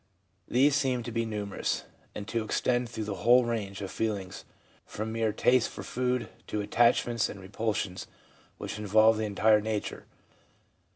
These seem to be numerous, and to extend through the whole range of feelings from mere tastes for foods to attachments and repulsions which involve the entire nature.